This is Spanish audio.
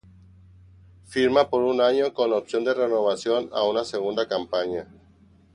Firma por un año con opción de renovación a una segunda campaña.